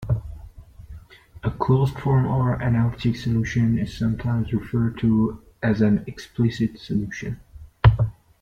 A closed-form or analytic solution is sometimes referred to as an explicit solution.